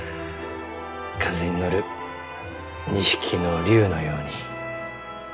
風に乗る２匹の竜のように。